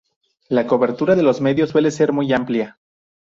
La cobertura de los medios suele ser muy amplia.